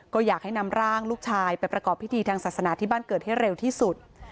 ก็อยากให้นำร่างลูกชายไปประกอบพิธีทางศาสนาที่บ้านเกิดให้เร็วที่สุด